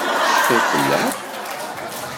Tecfiḍ fell-aɣ?